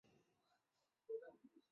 小岩站的铁路车站。